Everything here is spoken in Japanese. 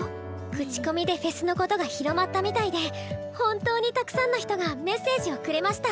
口コミでフェスのことが広まったみたいで本当にたくさんの人がメッセージをくれました。